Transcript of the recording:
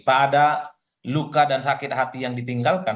tak ada luka dan sakit hati yang ditinggalkan